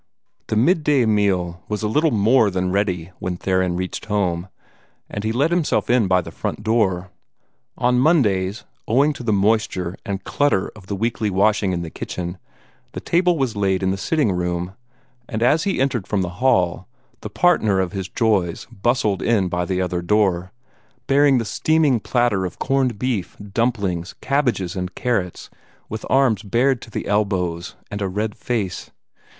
The midday dinner was a little more than ready when Theron reached home, and let himself in by the front door. On Mondays, owing to the moisture and "clutter" of the weekly washing in the kitchen, the table was laid in the sitting room, and as he entered from the hall the partner of his joys bustled in by the other door, bearing the steaming platter of corned beef, dumplings, cabbages, and carrots, with arms bared to the elbows, and a red face.